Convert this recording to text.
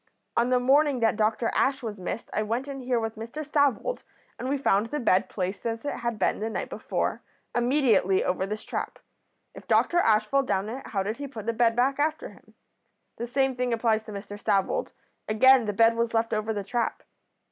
'On the morning that Dr Ash was missed I went in here with Mr Stavold, and we found the bed placed as it had been the night before, immediately over this trap. If Dr Ash fell down it how did he put the bed back after him? The same thing applies to Mr Stavold; again the bed was left over the trap.'